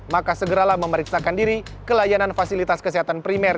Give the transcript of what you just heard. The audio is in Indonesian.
maka segeralah memeriksakan diri kelayanan fasilitas kesehatan primer